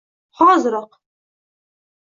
Hoziroq